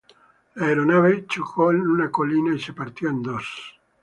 La aeronave chocó en una colina y se partió en dos.